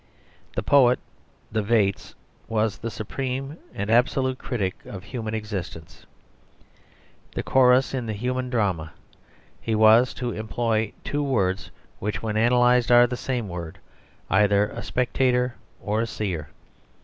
The poet, the vates, was the supreme and absolute critic of human existence, the chorus in the human drama; he was, to employ two words, which when analysed are the same word, either a spectator or a seer.